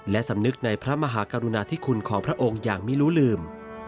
และสำนึกในพระมหากรุณาธิคุณของพระองค์อย่างไม่รู้ลืม